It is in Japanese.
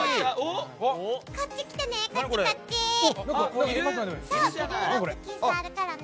こっち来てね。